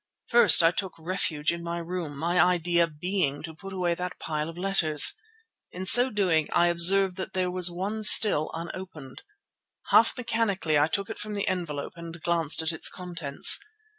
First I took refuge in my room, my idea being to put away that pile of letters. In so doing I observed that there was one still unopened. Half mechanically I took it from the envelope and glanced at its contents.